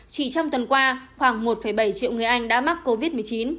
chỉ trong tuần qua khoảng một bảy triệu người anh đã mắc covid một mươi chín